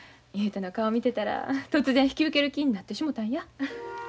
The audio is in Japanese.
雄太の顔見てたら突然引き受ける気になってしもたんや。